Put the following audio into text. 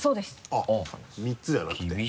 あっ３つじゃなくて？